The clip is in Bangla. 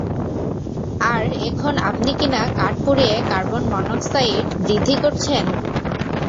আর এখন আপনি কি না কাঠ পুড়িয়ে কার্বন মনো-অক্সাইড বৃদ্ধি করছেন!